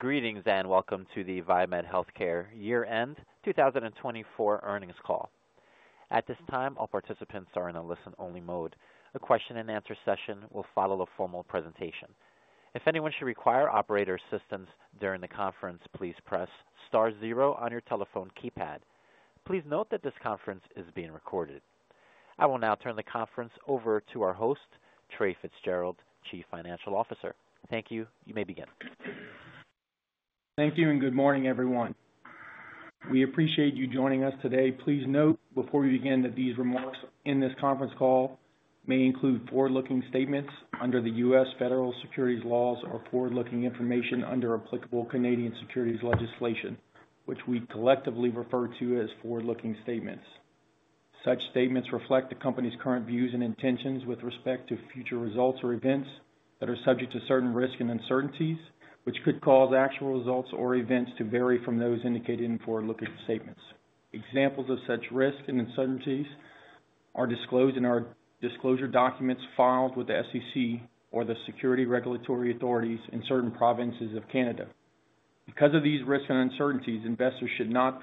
Greetings and welcome to the VieMed Healthcare Year-End 2024 Earnings Call. At this time, all participants are in a listen-only mode. A question-and-answer session will follow a formal presentation. If anyone should require operator assistance during the conference, please press star zero on your telephone keypad. Please note that this conference is being recorded. I will now turn the conference over to our host, Trae Fitzgerald, Chief Financial Officer. Thank you. You may begin. Thank you and good morning, everyone. We appreciate you joining us today. Please note before we begin that these remarks in this conference call may include forward-looking statements under the U.S. Federal Securities Laws or forward-looking information under applicable Canadian securities legislation, which we collectively refer to as forward-looking statements. Such statements reflect the company's current views and intentions with respect to future results or events that are subject to certain risks and uncertainties, which could cause actual results or events to vary from those indicated in forward-looking statements. Examples of such risks and uncertainties are disclosed in our disclosure documents filed with the SEC or the security regulatory authorities in certain provinces of Canada. Because of these risks and uncertainties, investors should not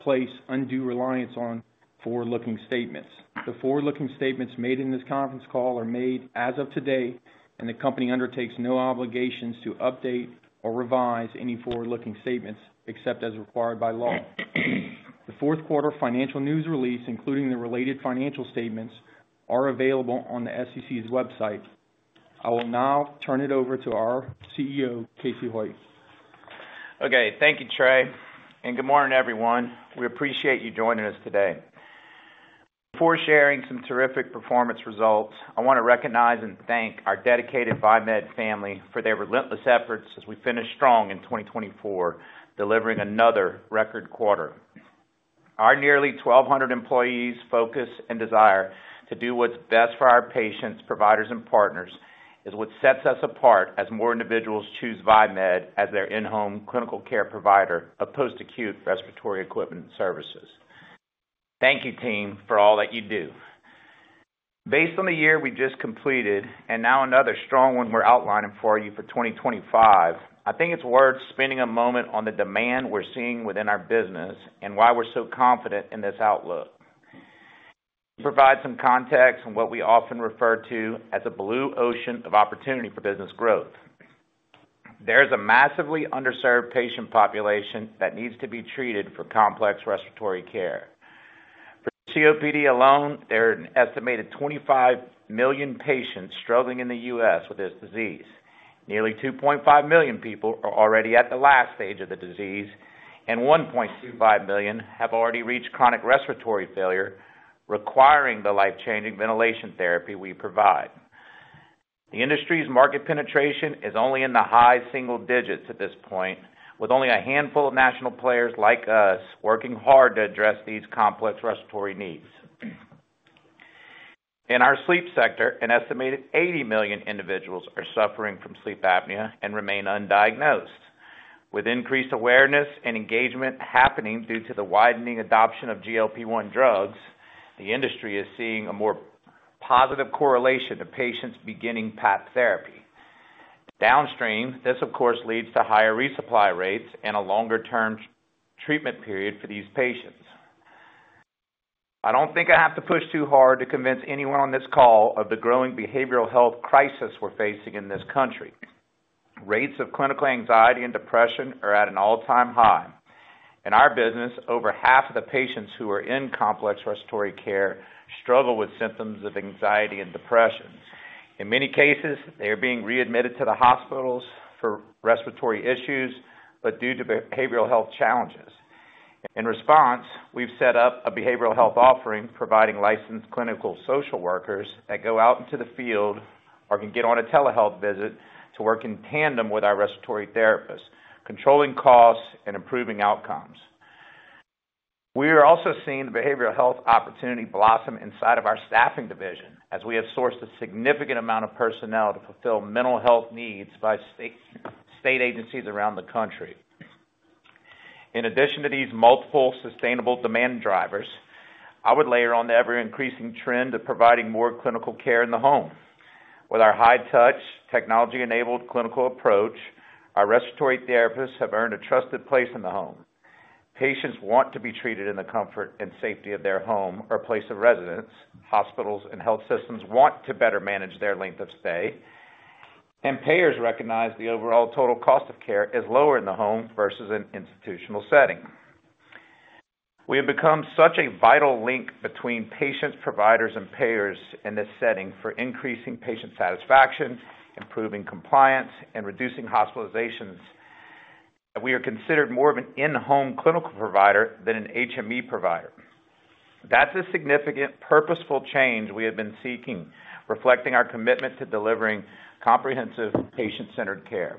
place or undue reliance on forward-looking statements. The forward-looking statements made in this conference call are made as of today, and the company undertakes no obligations to update or revise any forward-looking statements except as required by law. The fourth quarter financial news release, including the related financial statements, is available on the SEC's website. I will now turn it over to our CEO, Casey Hoyt. Okay. Thank you, Trae. Good morning, everyone. We appreciate you joining us today. Before sharing some terrific performance results, I want to recognize and thank our dedicated VieMed family for their relentless efforts as we finish strong in 2024, delivering another record quarter. Our nearly 1,200 employees' focus and desire to do what's best for our patients, providers, and partners is what sets us apart as more individuals choose VieMed as their in-home clinical care provider opposed to acute respiratory equipment services. Thank you, team, for all that you do. Based on the year we just completed and now another strong one we're outlining for you for 2025, I think it's worth spending a moment on the demand we're seeing within our business and why we're so confident in this outlook. To provide some context on what we often refer to as a blue ocean of opportunity for business growth, there is a massively underserved patient population that needs to be treated for complex respiratory care. For COPD alone, there are an estimated 25 million patients struggling in the U.S. with this disease. Nearly 2.5 million people are already at the last stage of the disease, and 1.25 million have already reached chronic respiratory failure, requiring the life-changing ventilation therapy we provide. The industry's market penetration is only in the high single digits at this point, with only a handful of national players like us working hard to address these complex respiratory needs. In our sleep sector, an estimated 80 million individuals are suffering from sleep apnea and remain undiagnosed. With increased awareness and engagement happening due to the widening adoption of GLP-1 drugs, the industry is seeing a more positive correlation to patients beginning PAP therapy. Downstream, this, of course, leads to higher resupply rates and a longer-term treatment period for these patients. I don't think I have to push too hard to convince anyone on this call of the growing behavioral health crisis we're facing in this country. Rates of clinical anxiety and depression are at an all-time high. In our business, over half of the patients who are in complex respiratory care struggle with symptoms of anxiety and depression. In many cases, they are being readmitted to the hospitals for respiratory issues but due to behavioral health challenges. In response, we've set up a behavioral health offering providing licensed clinical social workers that go out into the field or can get on a telehealth visit to work in tandem with our respiratory therapists, controlling costs and improving outcomes. We are also seeing the behavioral health opportunity blossom inside of our staffing division as we have sourced a significant amount of personnel to fulfill mental health needs by state agencies around the country. In addition to these multiple sustainable demand drivers, I would layer on ever-increasing trend of providing more clinical care in the home. With our high-touch, technology-enabled clinical approach, our respiratory therapists have earned a trusted place in the home. Patients want to be treated in the comfort and safety of their home or place of residence. Hospitals and health systems want to better manage their length of stay. Payers recognize the overall total cost of care is lower in the home versus an institutional setting. We have become such a vital link between patients, providers, and payers in this setting for increasing patient satisfaction, improving compliance, and reducing hospitalizations that we are considered more of an in-home clinical provider than an HME provider. That is a significant, purposeful change we have been seeking, reflecting our commitment to delivering comprehensive patient-centered care.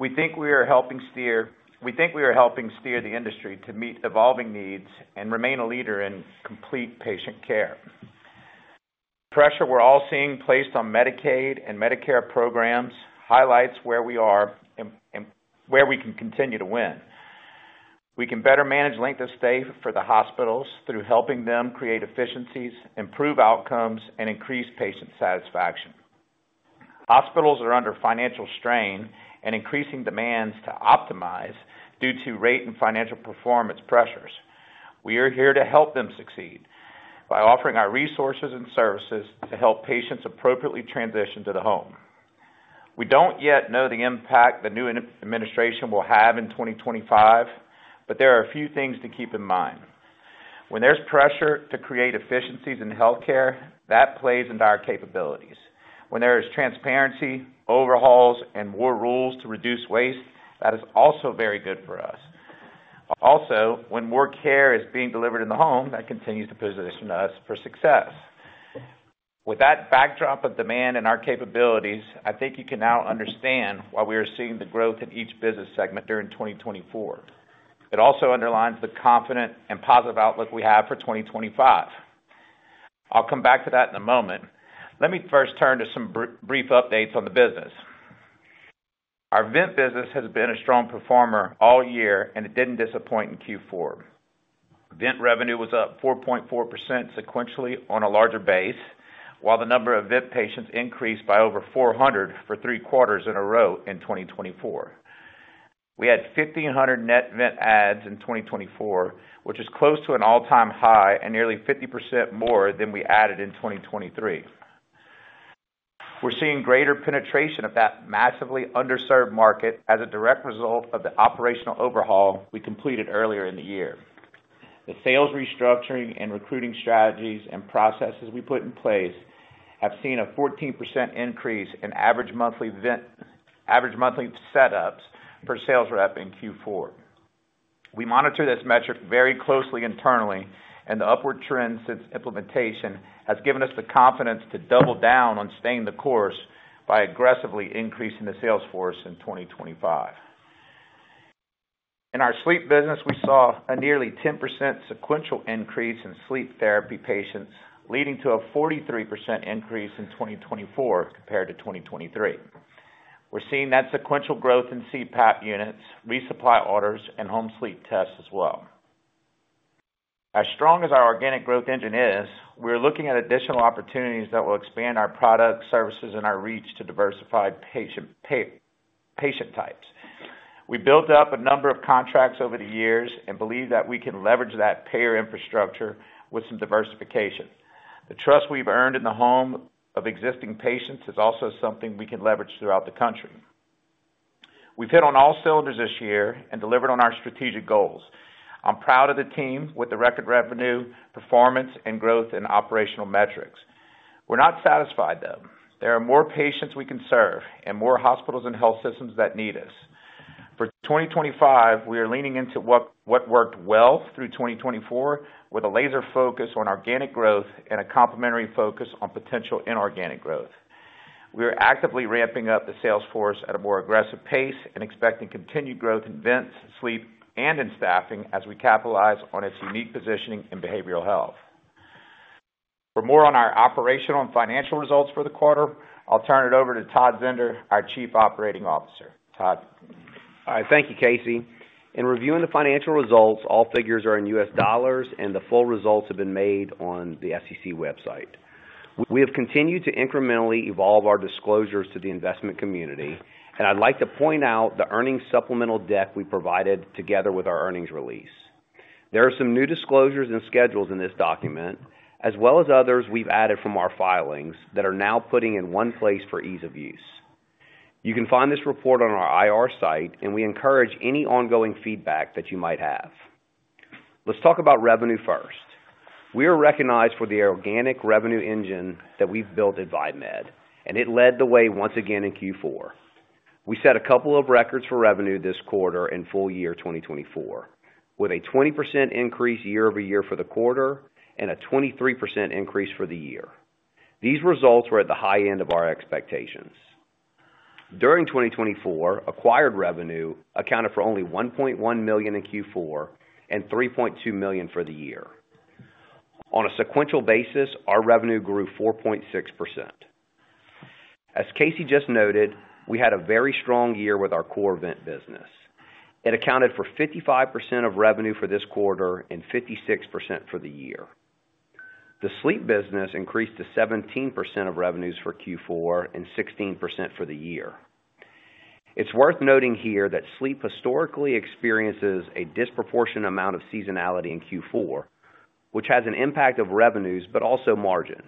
We think we are helping steer the industry to meet evolving needs and remain a leader in complete patient care. The pressure we are all seeing placed on Medicaid and Medicare programs highlights where we are and where we can continue to win. We can better manage length of stay for the hospitals through helping them create efficiencies, improve outcomes, and increase patient satisfaction. Hospitals are under financial strain and increasing demands to optimize due to rate and financial performance pressures. We are here to help them succeed by offering our resources and services to help patients appropriately transition to the home. We don't yet know the impact the new administration will have in 2025, but there are a few things to keep in mind. When there's pressure to create efficiencies in healthcare, that plays into our capabilities. When there is transparency, overhauls, and more rules to reduce waste, that is also very good for us. Also, when more care is being delivered in the home, that continues to position us for success. With that backdrop of demand and our capabilities, I think you can now understand why we are seeing the growth in each business segment during 2024. It also underlines the confident and positive outlook we have for 2025. I'll come back to that in a moment. Let me first turn to some brief updates on the business. Our vent business has been a strong performer all year, and it didn't disappoint in Q4. Vent revenue was up 4.4% sequentially on a larger base, while the number of vent patients increased by over 400 for three quarters in a row in 2024. We had 1,500 net vent adds in 2024, which is close to an all-time high and nearly 50% more than we added in 2023. We're seeing greater penetration of that massively underserved market as a direct result of the operational overhaul we completed earlier in the year. The sales restructuring and recruiting strategies and processes we put in place have seen a 14% increase in average monthly setups per sales rep in Q4. We monitor this metric very closely internally, and the upward trend since implementation has given us the confidence to double down on staying the course by aggressively increasing the sales force in 2025. In our sleep business, we saw a nearly 10% sequential increase in sleep therapy patients, leading to a 43% increase in 2024 compared to 2023. We're seeing that sequential growth in CPAP units, resupply orders, and home sleep tests as well. As strong as our organic growth engine is, we're looking at additional opportunities that will expand our products, services, and our reach to diversify patient types. We built up a number of contracts over the years and believe that we can leverage that payer infrastructure with some diversification. The trust we've earned in the home of existing patients is also something we can leverage throughout the country. We've hit on all cylinders this year and delivered on our strategic goals. I'm proud of the team with the record revenue, performance, and growth in operational metrics. We're not satisfied, though. There are more patients we can serve and more hospitals and health systems that need us. For 2025, we are leaning into what worked well through 2024 with a laser focus on organic growth and a complementary focus on potential inorganic growth. We are actively ramping up the sales force at a more aggressive pace and expecting continued growth in vents, sleep, and in staffing as we capitalize on its unique positioning in behavioral health. For more on our operational and financial results for the quarter, I'll turn it over to Todd Zehnder, our Chief Operating Officer. Todd. All right. Thank you, Casey. In reviewing the financial results, all figures are in U.S. dollars, and the full results have been made on the SEC website. We have continued to incrementally evolve our disclosures to the investment community, and I'd like to point out the earnings supplemental deck we provided together with our earnings release. There are some new disclosures and schedules in this document, as well as others we've added from our filings that are now putting in one place for ease of use. You can find this report on our IR site, and we encourage any ongoing feedback that you might have. Let's talk about revenue first. We are recognized for the organic revenue engine that we've built at VieMed, and it led the way once again in Q4. We set a couple of records for revenue this quarter and full year 2024, with a 20% increase year-over-year for the quarter and a 23% increase for the year. These results were at the high end of our expectations. During 2024, acquired revenue accounted for only $1.1 million in Q4 and $3.2 million for the year. On a sequential basis, our revenue grew 4.6%. As Casey just noted, we had a very strong year with our core vent business. It accounted for 55% of revenue for this quarter and 56% for the year. The sleep business increased to 17% of revenues for Q4 and 16% for the year. It's worth noting here that sleep historically experiences a disproportionate amount of seasonality in Q4, which has an impact on revenues but also margin.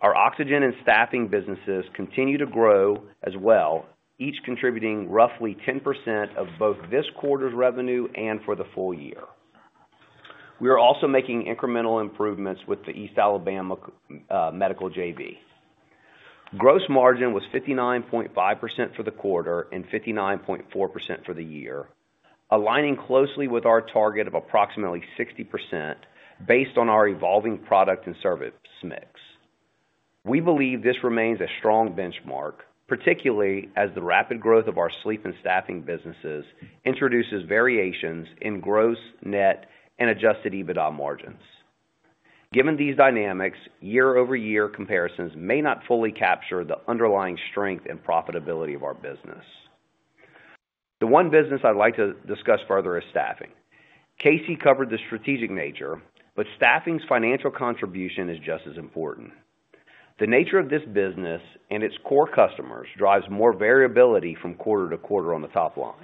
Our oxygen and staffing businesses continue to grow as well, each contributing roughly 10% of both this quarter's revenue and for the full year. We are also making incremental improvements with the East Alabama Medical JV. Gross margin was 59.5% for the quarter and 59.4% for the year, aligning closely with our target of approximately 60% based on our evolving product and service mix. We believe this remains a strong benchmark, particularly as the rapid growth of our sleep and staffing businesses introduces variations in gross, net, and adjusted EBITDA margins. Given these dynamics, year-over-year comparisons may not fully capture the underlying strength and profitability of our business. The one business I'd like to discuss further is staffing. Casey covered the strategic nature, but staffing's financial contribution is just as important. The nature of this business and its core customers drives more variability from quarter to quarter on the top line.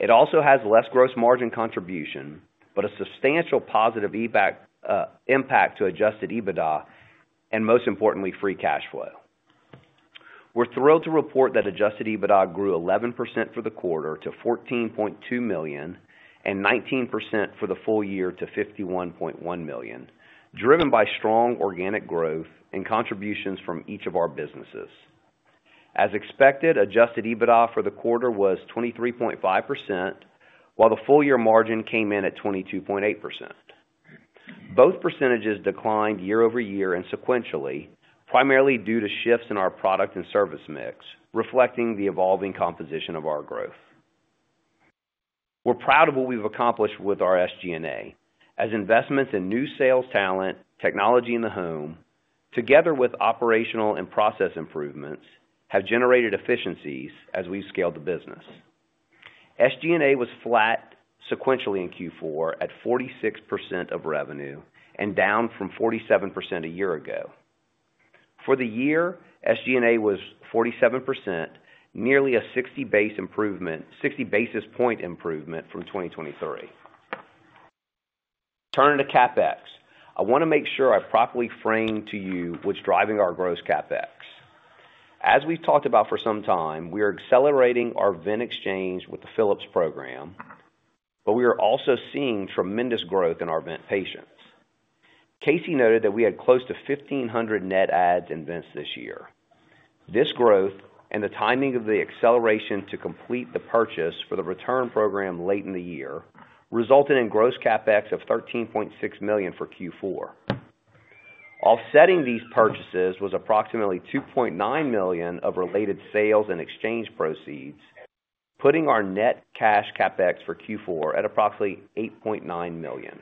It also has less gross margin contribution but a substantial positive impact to adjusted EBITDA and, most importantly, free cash flow. We're thrilled to report that adjusted EBITDA grew 11% for the quarter to $14.2 million and 19% for the full year to $51.1 million, driven by strong organic growth and contributions from each of our businesses. As expected, adjusted EBITDA for the quarter was 23.5%, while the full-year margin came in at 22.8%. Both percentages declined year-over-year and sequentially, primarily due to shifts in our product and service mix, reflecting the evolving composition of our growth. We're proud of what we've accomplished with our SG&A, as investments in new sales talent, technology in the home, together with operational and process improvements, have generated efficiencies as we've scaled the business. SG&A was flat sequentially in Q4 at 46% of revenue and down from 47% a year ago. For the year, SG&A was 47%, nearly a 60 basis point improvement from 2023. Turning to CapEx, I want to make sure I properly frame to you what's driving our gross CapEx. As we've talked about for some time, we are accelerating our vent exchange with the Philips program, but we are also seeing tremendous growth in our vent patients. Casey noted that we had close to 1,500 net adds in vents this year. This growth and the timing of the acceleration to complete the purchase for the return program late in the year resulted in gross CapEx of $13.6 million for Q4. Offsetting these purchases was approximately $2.9 million of related sales and exchange proceeds, putting our net cash CapEx for Q4 at approximately $8.9 million.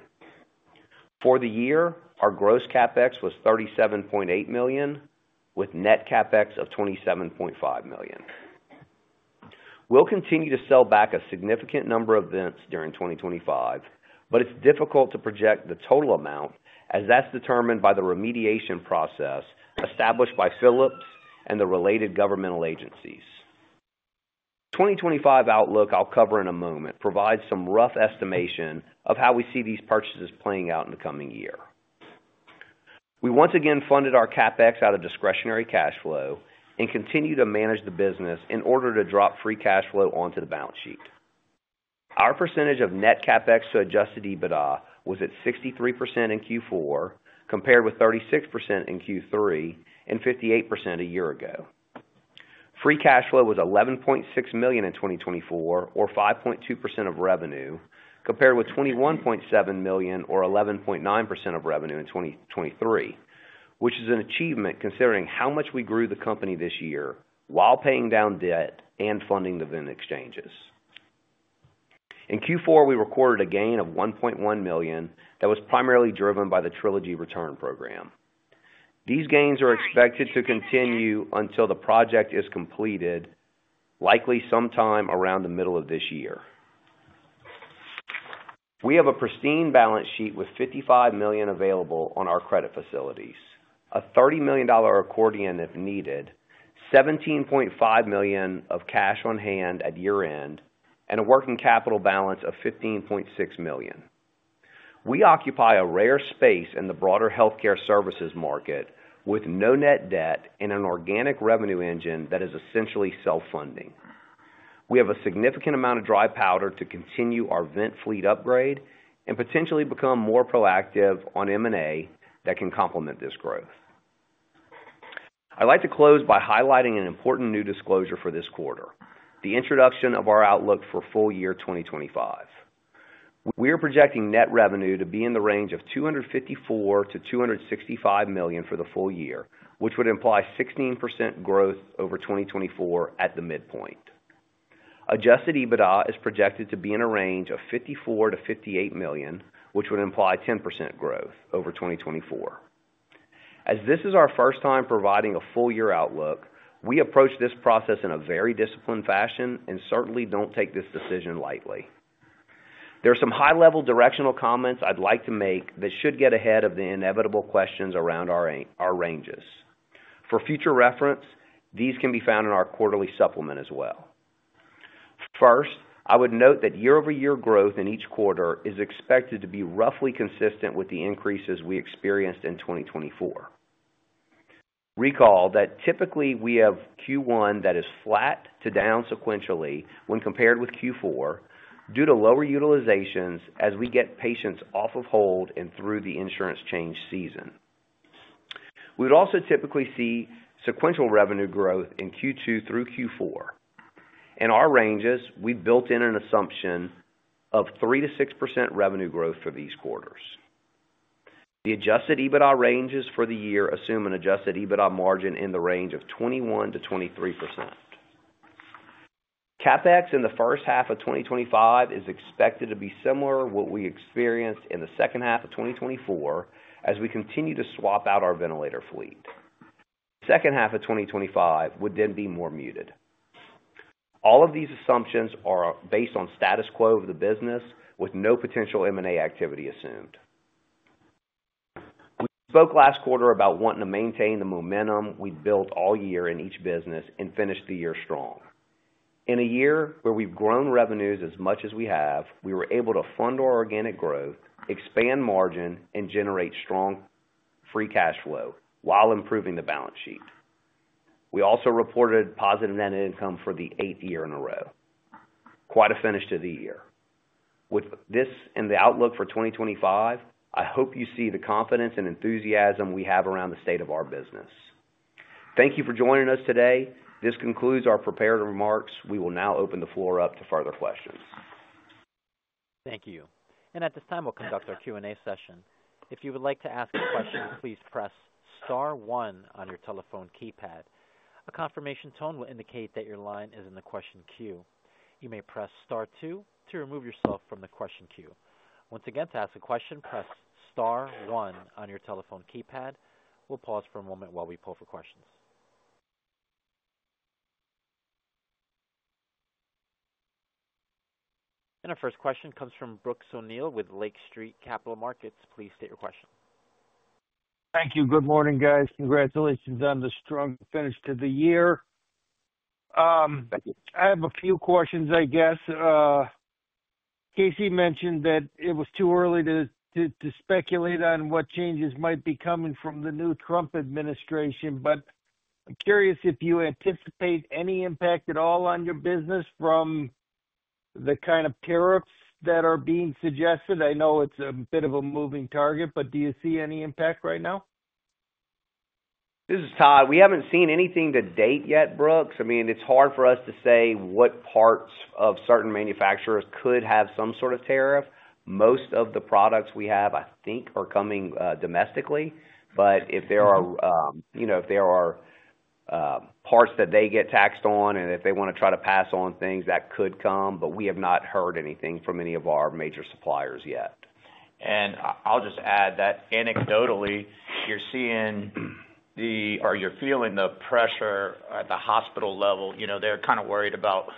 For the year, our gross CapEx was $37.8 million, with net CapEx of $27.5 million. We'll continue to sell back a significant number of vents during 2025, but it's difficult to project the total amount as that's determined by the remediation process established by Philips and the related governmental agencies. The 2025 outlook I'll cover in a moment provides some rough estimation of how we see these purchases playing out in the coming year. We once again funded our CapEx out of discretionary cash flow and continue to manage the business in order to drop free cash flow onto the balance sheet. Our percentage of net CapEx to adjusted EBITDA was at 63% in Q4, compared with 36% in Q3 and 58% a year ago. Free cash flow was $11.6 million in 2024, or 5.2% of revenue, compared with $21.7 million or 11.9% of revenue in 2023, which is an achievement considering how much we grew the company this year while paying down debt and funding the vent exchanges. In Q4, we recorded a gain of $1.1 million that was primarily driven by the Trilogy return program. These gains are expected to continue until the project is completed, likely sometime around the middle of this year. We have a pristine balance sheet with $55 million available on our credit facilities, a $30 million accordion if needed, $17.5 million of cash on hand at year-end, and a working capital balance of $15.6 million. We occupy a rare space in the broader healthcare services market with no net debt and an organic revenue engine that is essentially self-funding. We have a significant amount of dry powder to continue our vent fleet upgrade and potentially become more proactive on M&A that can complement this growth. I'd like to close by highlighting an important new disclosure for this quarter: the introduction of our outlook for full year 2025. We are projecting net revenue to be in the range of $254 million-$265 million for the full year, which would imply 16% growth over 2024 at the midpoint. Adjusted EBITDA is projected to be in a range of $54 million-$58 million, which would imply 10% growth over 2024. As this is our first time providing a full-year outlook, we approach this process in a very disciplined fashion and certainly do not take this decision lightly. There are some high-level directional comments I would like to make that should get ahead of the inevitable questions around our ranges. For future reference, these can be found in our quarterly supplement as well. First, I would note that year-over-year growth in each quarter is expected to be roughly consistent with the increases we experienced in 2024. Recall that typically we have Q1 that is flat to down sequentially when compared with Q4 due to lower utilizations as we get patients off of hold and through the insurance change season. We would also typically see sequential revenue growth in Q2 through Q4. In our ranges, we built in an assumption of 3%-6% revenue growth for these quarters. The adjusted EBITDA ranges for the year assume an adjusted EBITDA margin in the range of 21%-23%. CapEx in the first half of 2025 is expected to be similar to what we experienced in the second half of 2024 as we continue to swap out our ventilator fleet. The second half of 2025 would then be more muted. All of these assumptions are based on status quo of the business, with no potential M&A activity assumed. We spoke last quarter about wanting to maintain the momentum we've built all year in each business and finish the year strong. In a year where we've grown revenues as much as we have, we were able to fund our organic growth, expand margin, and generate strong free cash flow while improving the balance sheet. We also reported positive net income for the eighth year in a row. Quite a finish to the year. With this and the outlook for 2025, I hope you see the confidence and enthusiasm we have around the state of our business. Thank you for joining us today. This concludes our prepared remarks. We will now open the floor up to further questions. Thank you. At this time, we'll conduct our Q&A session. If you would like to ask a question, please press star one on your telephone keypad. A confirmation tone will indicate that your line is in the question queue. You may press star two to remove yourself from the question queue. Once again, to ask a question, press star one on your telephone keypad. We'll pause for a moment while we pull for questions. Our first question comes from Brooks O'Neil with Lake Street Capital Markets. Please state your question. Thank you. Good morning, guys. Congratulations on the strong finish to the year. I have a few questions, I guess. Casey mentioned that it was too early to speculate on what changes might be coming from the new Trump administration, but I'm curious if you anticipate any impact at all on your business from the kind of tariffs that are being suggested. I know it's a bit of a moving target, but do you see any impact right now? This is Todd. We have not seen anything to date yet, Brooks. I mean, it is hard for us to say what parts of certain manufacturers could have some sort of tariff. Most of the products we have, I think, are coming domestically, but if there are parts that they get taxed on and if they want to try to pass on things, that could come, but we have not heard anything from any of our major suppliers yet. I'll just add that anecdotally, you're seeing or you're feeling the pressure at the hospital level. They're kind of worried about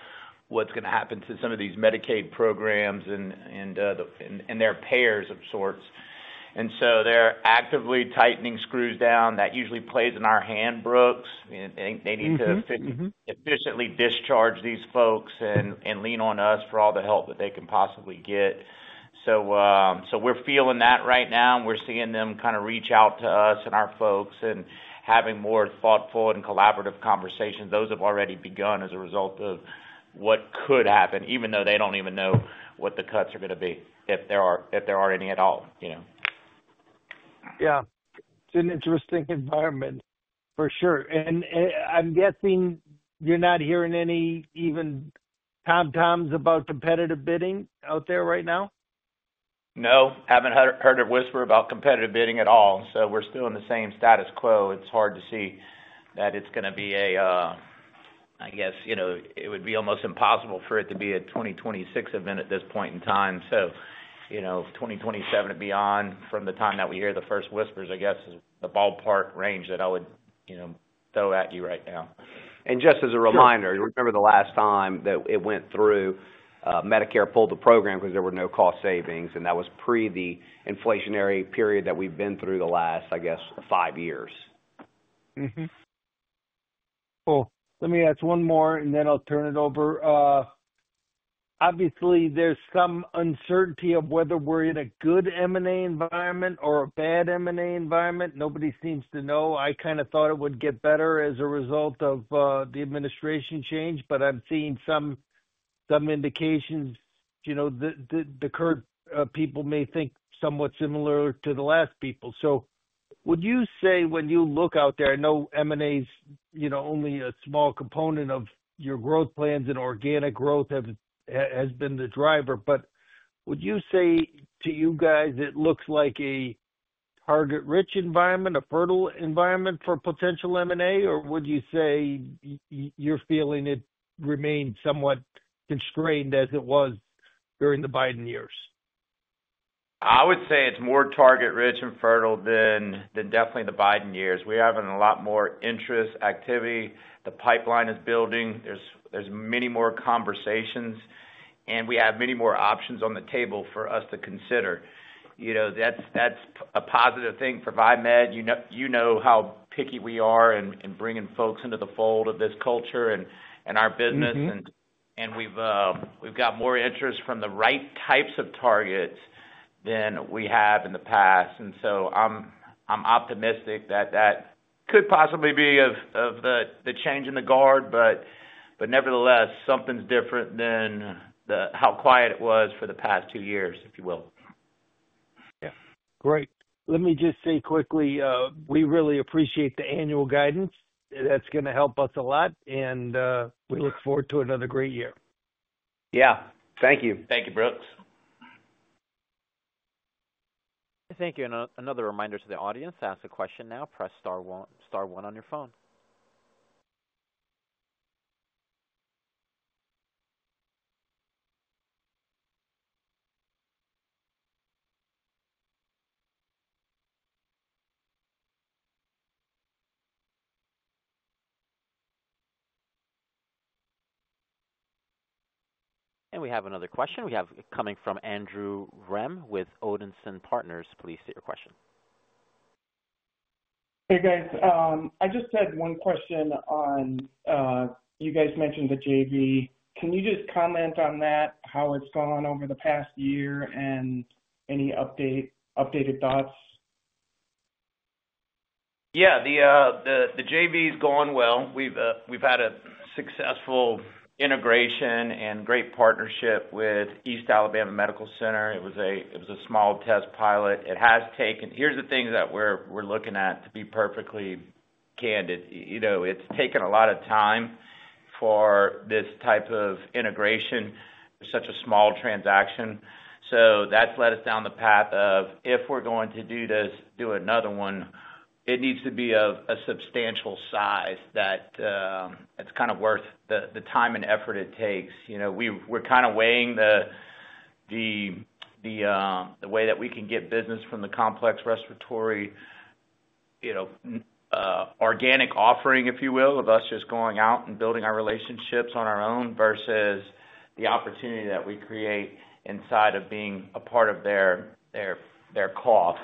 what's going to happen to some of these Medicaid programs and their payers of sorts. They're actively tightening screws down. That usually plays in our hand, Brooks. They need to efficiently discharge these folks and lean on us for all the help that they can possibly get. We're feeling that right now. We're seeing them kind of reach out to us and our folks and having more thoughtful and collaborative conversations. Those have already begun as a result of what could happen, even though they don't even know what the cuts are going to be, if there are any at all. Yeah. It's an interesting environment, for sure. I'm guessing you're not hearing any even tomtoms about competitive bidding out there right now? No. Haven't heard a whisper about competitive bidding at all. We're still in the same status quo. It's hard to see that it's going to be a, I guess, it would be almost impossible for it to be a 2026 event at this point in time. 2027 and beyond, from the time that we hear the first whispers, I guess, is the ballpark range that I would throw at you right now. Just as a reminder, remember the last time that it went through, Medicare pulled the program because there were no cost savings, and that was pre the inflationary period that we've been through the last, I guess, five years. Cool. Let me ask one more, and then I'll turn it over. Obviously, there's some uncertainty of whether we're in a good M&A environment or a bad M&A environment. Nobody seems to know. I kind of thought it would get better as a result of the administration change, but I'm seeing some indications that the current people may think somewhat similar to the last people. I mean, would you say, when you look out there, I know M&A is only a small component of your growth plans and organic growth has been the driver, but would you say to you guys it looks like a target-rich environment, a fertile environment for potential M&A, or would you say you're feeling it remains somewhat constrained as it was during the Biden years? I would say it's more target-rich and fertile than definitely the Biden years. We're having a lot more interest activity. The pipeline is building. There's many more conversations, and we have many more options on the table for us to consider. That's a positive thing for VieMed. You know how picky we are in bringing folks into the fold of this culture and our business, and we've got more interest from the right types of targets than we have in the past. I'm optimistic that that could possibly be of the change in the guard, but nevertheless, something's different than how quiet it was for the past two years, if you will. Yeah. Great. Let me just say quickly, we really appreciate the annual guidance. That's going to help us a lot, and we look forward to another great year. Yeah. Thank you. Thank you, Brooks. Thank you. Another reminder to the audience: to ask a question now, press star one on your phone. We have another question. We have it coming from Andrew Rem with Odinson Partners. Please state your question. Hey, guys. I just had one question on you guys mentioned the JV. Can you just comment on that, how it's gone over the past year and any updated thoughts? Yeah. The JV has gone well. We've had a successful integration and great partnership with East Alabama Medical Center. It was a small test pilot. Here's the things that we're looking at, to be perfectly candid. It's taken a lot of time for this type of integration. It's such a small transaction. That has led us down the path of, if we're going to do this, do another one, it needs to be of a substantial size that it's kind of worth the time and effort it takes. We're kind of weighing the way that we can get business from the complex respiratory organic offering, if you will, of us just going out and building our relationships on our own versus the opportunity that we create inside of being a part of their call.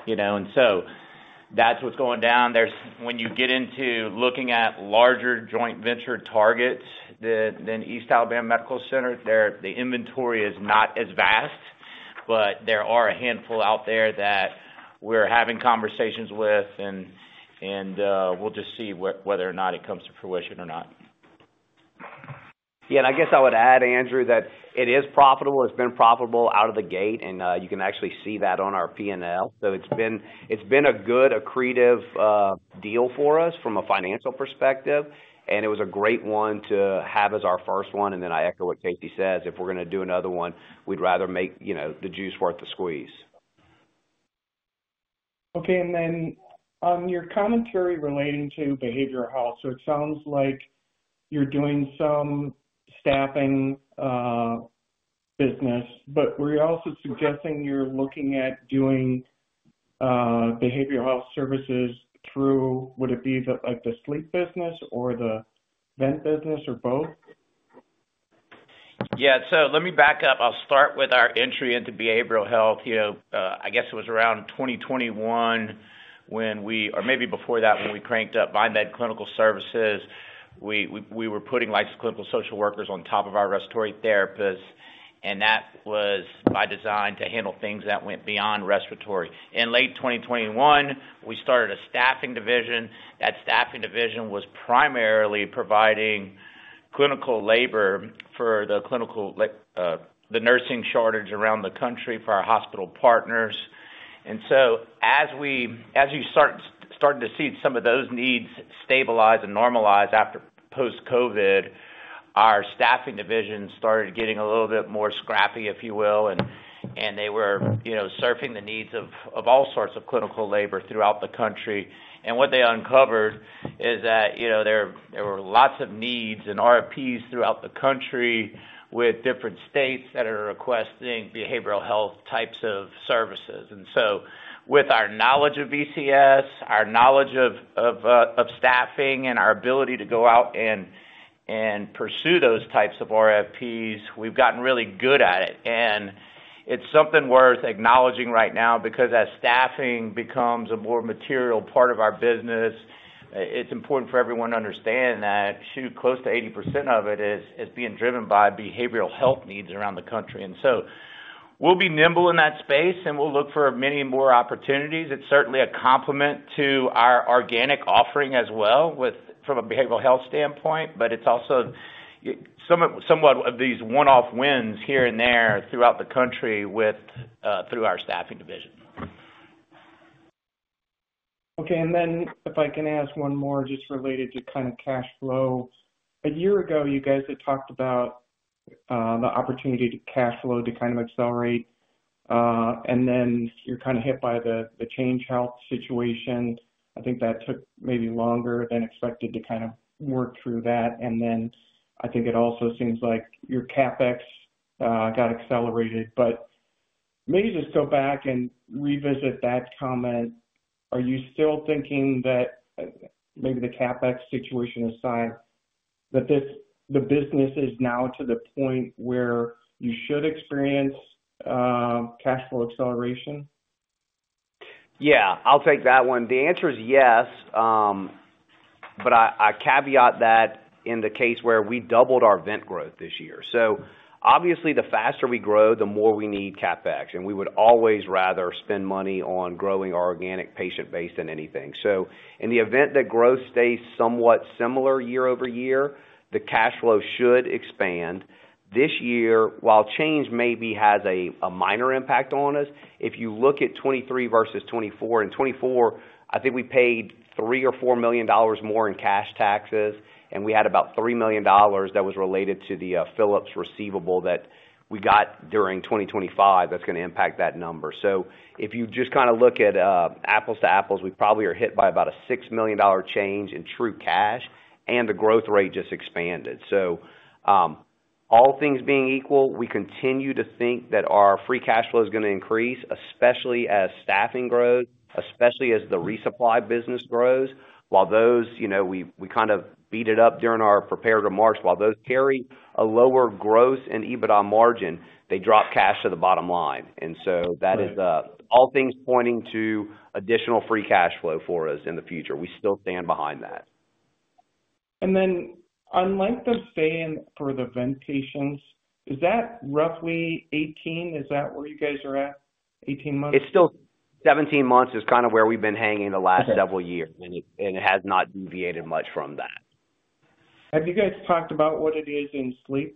That's what's going down. When you get into looking at larger joint venture targets than East Alabama Medical Center, the inventory is not as vast, but there are a handful out there that we're having conversations with, and we'll just see whether or not it comes to fruition or not. Yeah. I guess I would add, Andrew, that it is profitable. It's been profitable out of the gate, and you can actually see that on our P&L. It has been a good, accretive deal for us from a financial perspective, and it was a great one to have as our first one. I echo what Casey says. If we're going to do another one, we'd rather make the juice worth the squeeze. Okay. On your commentary relating to behavioral health, it sounds like you're doing some staffing business, but were you also suggesting you're looking at doing behavioral health services through, would it be the sleep business or the vent business or both? Yeah. Let me back up. I'll start with our entry into behavioral health. I guess it was around 2021 when we or maybe before that when we cranked up VieMed Clinical services. We were putting licensed clinical social workers on top of our respiratory therapists, and that was by design to handle things that went beyond respiratory. In late 2021, we started a staffing division. That staffing division was primarily providing clinical labor for the nursing shortage around the country for our hospital partners. As we started to see some of those needs stabilize and normalize after post-COVID, our staffing division started getting a little bit more scrappy, if you will, and they were surfing the needs of all sorts of clinical labor throughout the country. What they uncovered is that there were lots of needs and RFPs throughout the country with different states that are requesting behavioral health types of services. With our knowledge of VCS, our knowledge of staffing, and our ability to go out and pursue those types of RFPs, we've gotten really good at it. It's something worth acknowledging right now because as staffing becomes a more material part of our business, it's important for everyone to understand that close to 80% of it is being driven by behavioral health needs around the country. We'll be nimble in that space, and we'll look for many more opportunities. It's certainly a complement to our organic offering as well from a behavioral health standpoint, but it's also somewhat of these one-off wins here and there throughout the country through our staffing division. Okay. If I can ask one more just related to kind of cash flow. A year ago, you guys had talked about the opportunity to cash flow to kind of accelerate, and you were kind of hit by the Change Health situation. I think that took maybe longer than expected to kind of work through that. I think it also seems like your CapEx got accelerated. Maybe just go back and revisit that comment. Are you still thinking that maybe the CapEx situation aside, the business is now to the point where you should experience cash flow acceleration? Yeah. I'll take that one. The answer is yes, but I caveat that in the case where we doubled our vent growth this year. Obviously, the faster we grow, the more we need CapEx, and we would always rather spend money on growing our organic patient base than anything. In the event that growth stays somewhat similar year-over-year, the cash flow should expand. This year, while change maybe has a minor impact on us, if you look at 2023 versus 2024, in 2024, I think we paid $3 million or $4 million more in cash taxes, and we had about $3 million that was related to the Philips receivable that we got during 2025 that's going to impact that number. If you just kind of look at apples to apples, we probably are hit by about a $6 million change in true cash, and the growth rate just expanded. All things being equal, we continue to think that our free cash flow is going to increase, especially as staffing grows, especially as the resupply business grows. While those we kind of beat it up during our prepared remarks. While those carry a lower gross and EBITDA margin, they drop cash to the bottom line. That is all things pointing to additional free cash flow for us in the future. We still stand behind that. On length of stay for the vent patients, is that roughly 18? Is that where you guys are at? 18 months? It's still 17 months is kind of where we've been hanging the last several years, and it has not deviated much from that. Have you guys talked about what it is in sleep?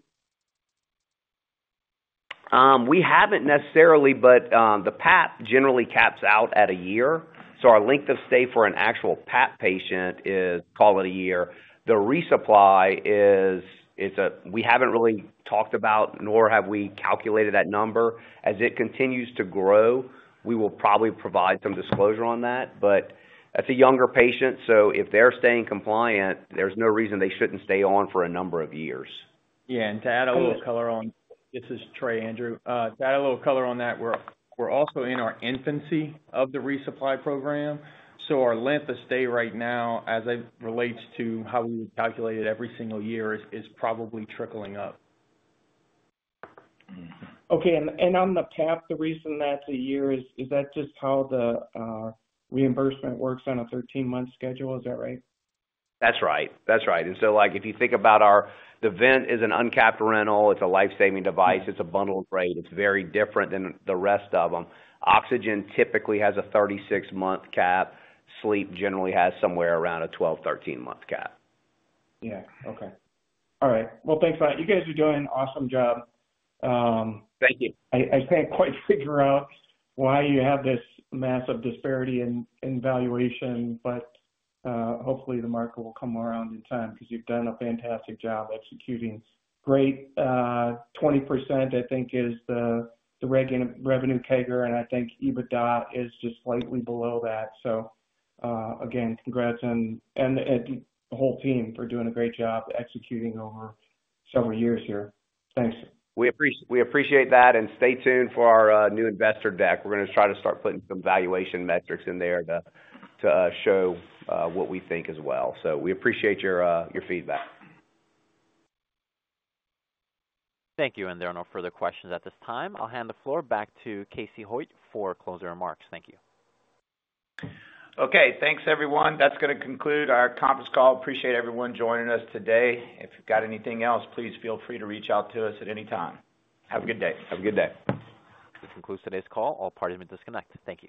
We haven't necessarily, but the PAP generally caps out at a year. Our length of stay for an actual PAP patient is called a year. The resupply is we haven't really talked about, nor have we calculated that number. As it continues to grow, we will probably provide some disclosure on that. It is a younger patient, so if they're staying compliant, there's no reason they shouldn't stay on for a number of years. Yeah. To add a little color on this is Trae, Andrew. To add a little color on that, we're also in our infancy of the resupply program. Our length of stay right now, as it relates to how we would calculate it every single year, is probably trickling up. Okay. On the PAP, the reason that's a year, is that just how the reimbursement works on a 13-month schedule? Is that right? That's right. That's right. If you think about our the vent is an uncapped rental. It's a lifesaving device. It's a bundled rate. It's very different than the rest of them. Oxygen typically has a 36-month cap. Sleep generally has somewhere around a 12, 13-month cap. Yeah. Okay. All right. Thanks a lot. You guys are doing an awesome job. Thank you. I can't quite figure out why you have this massive disparity in valuation, but hopefully, the market will come around in time because you've done a fantastic job executing. Great 20%, I think, is the revenue kegger, and I think EBITDA is just slightly below that. Again, congrats on the whole team for doing a great job executing over several years here. Thanks. We appreciate that, and stay tuned for our new investor deck. We're going to try to start putting some valuation metrics in there to show what we think as well. We appreciate your feedback. Thank you. There are no further questions at this time. I'll hand the floor back to Casey Hoyt for closing remarks. Thank you. Okay. Thanks, everyone. That's going to conclude our conference call. Appreciate everyone joining us today. If you've got anything else, please feel free to reach out to us at any time. Have a good day. Have a good day. This concludes today's call. All parties may disconnect. Thank you.